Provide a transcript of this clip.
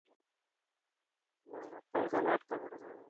নয়ত আত্মা এখানে আটকা পড়ে যাবে।